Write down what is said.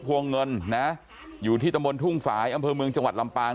วงเงินนะอยู่ที่ตำบลทุ่งฝ่ายอำเภอเมืองจังหวัดลำปาง